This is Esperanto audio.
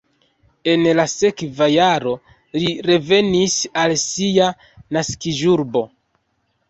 En la sekva jaro li revenis al sia naskiĝurbo.